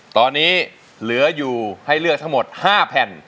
ตอนนี้เหลืออยู่ให้เลือกทั้งหมด๕แผ่น